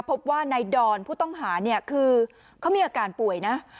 พบว่านายดอนผู้ต้องหาเนี่ยคือเขามีอาการป่วยนะ